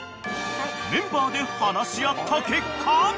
［メンバーで話し合った結果］